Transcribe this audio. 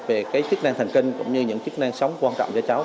về cái chức năng thần kinh cũng như những chức năng sống quan trọng cho cháu